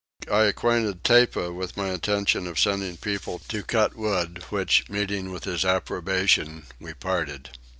I acquainted Tepa with my intention of sending people to cut wood, which meeting with his approbation, we parted.